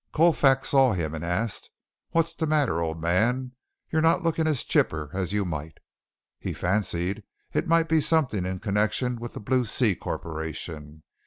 Colfax saw him, and asked: "What's the matter, old man? You're not looking as chipper as you might." He fancied it might be something in connection with the Blue Sea Corporation.